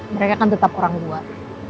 mereka kan tetap orang luar